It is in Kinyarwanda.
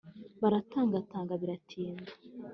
Baratangatanga biratinda